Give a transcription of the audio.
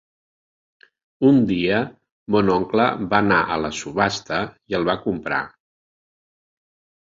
Un dia mon oncle va anar a la subhasta i el va comprar.